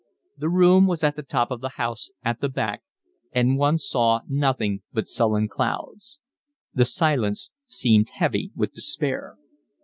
The room was at the top of the house, at the back, and one saw nothing but sullen clouds. The silence seemed heavy with despair.